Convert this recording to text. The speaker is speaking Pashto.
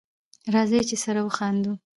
راځی چی سره وخاندو